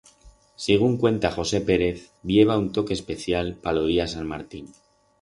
Sigunt cuenta José Pérez, bi heba un toque especial pa lo día Sant Martín.